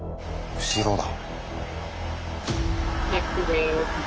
後ろだ。